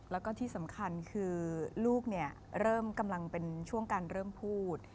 แล้วก็ที่สำคัญคือลูกเนี่ยเริ่มกำลังเป็นช่วงการเริ่มพูด